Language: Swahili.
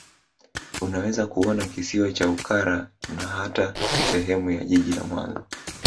Unaweza kuona Kisiwa cha Ukara na hata sehemu ya Jiji la Mwanza